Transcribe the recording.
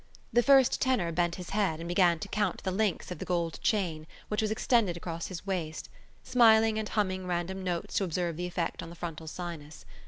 The first tenor bent his head and began to count the links of the gold chain which was extended across his waist, smiling and humming random notes to observe the effect on the frontal sinus.